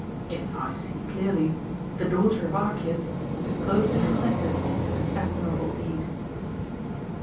If I see clearly, the daughter of Archias is closely connected with this admirable deed."